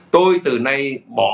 tôi từ nay bỏ